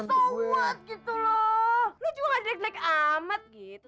ngesawat gitu loh lo juga gak deg deg amat gitu